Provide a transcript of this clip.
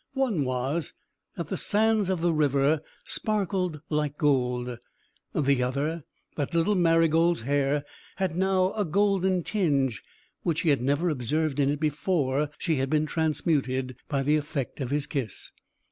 One was, that the sands of the river sparkled like gold; the other, that little Marygold's hair had now a golden tinge, which he had never observed in it before she had been transmuted by the effect of his kiss.